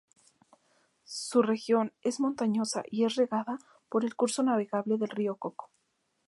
Su región es montañosa y es regada por el curso navegable del Río Coco.